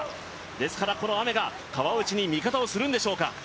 ですから、この雨が川内に味方をするのでしょうか。